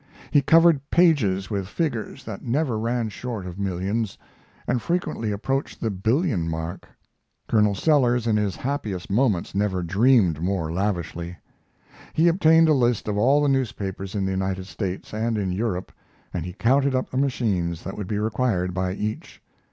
He covered pages with figures that never ran short of millions, and frequently approached the billion mark. Colonel Sellers in his happiest moments never dreamed more lavishly. He obtained a list of all the newspapers in the United States and in Europe, and he counted up the machines that would be required by each.